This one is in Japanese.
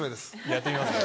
やってみます。